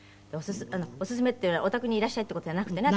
お勧めっていうのはお宅にいらっしゃいっていう事じゃなくてね